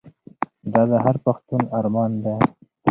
دا د هر پښتون ارمان دی.